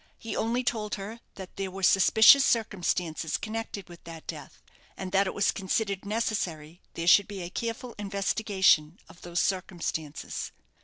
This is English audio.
He only told her that there were suspicious circumstances connected with that death; and that it was considered necessary there should be a careful investigation of those circumstances.